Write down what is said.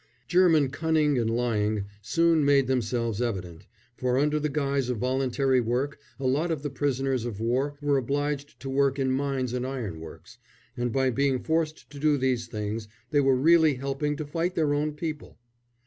German cunning and lying soon made themselves evident, for under the guise of voluntary work a lot of the prisoners of war were obliged to work in mines and ironworks, and by being forced to do these things they were really helping to fight their own people.